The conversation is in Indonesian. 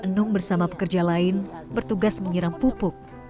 nung bersama pekerja lain bertugas menyeram pupuk